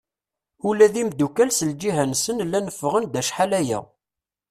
Ula d imddukal s lǧiha-nsen llan ffɣen-d acḥal-aya.